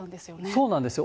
そうなんですよ。